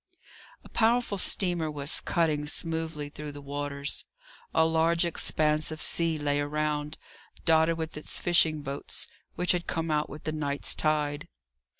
A powerful steamer was cutting smoothly through the waters. A large expanse of sea lay around, dotted with its fishing boats, which had come out with the night's tide.